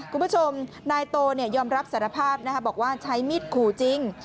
คุณผู้ชมนายโตยอมรับสารภาพบอกว่าใช้มีดขู่จริง